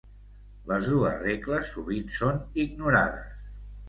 Les dues regles sovint són ignorades.